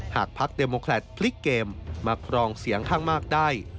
หากพักเดโมแคลตพลิกเกมมาครองเสียงข้างมากได้